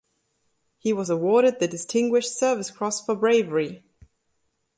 He was awarded the Distinguished Service Cross for bravery.